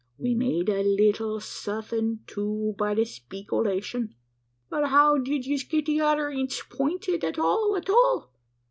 We made a lettle suthin', too, by the speekolashun." "But how did yez get the other inds pointed at all at all?"